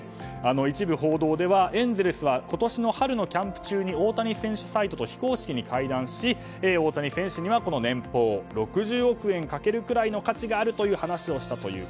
一部報道ではエンゼルスは今年の春のキャンプ中に大谷選手サイドと非公式に会談し大谷選手には年俸６０億円をかけるくらいの価値があるという話をしたと。